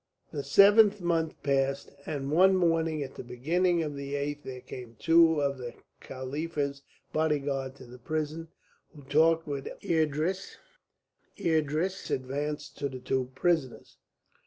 The seventh month passed, and one morning at the beginning of the eighth there came two of the Khalifa's bodyguard to the prison, who talked with Idris. Idris advanced to the two prisoners.